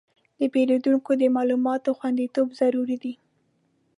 د پیرودونکو د معلوماتو خوندیتوب ضروري دی.